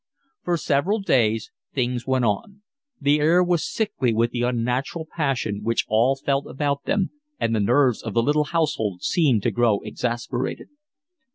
For several days things went on. The air was sickly with the unnatural passion which all felt about them, and the nerves of the little household seemed to grow exasperated.